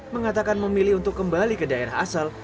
mengatakan memilih untuk kembali ke daerah asal